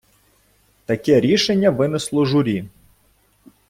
Таке рішення винесло журі.